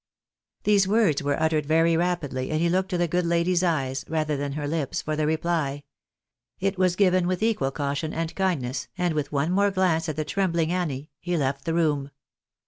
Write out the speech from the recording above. These words were uttered very rapidly, and he looked to the good lady's eyes, rather than her lips, for the reply. It was given with equal caution and kindness, and with one more glance at the tremblmg Annie, he left the room.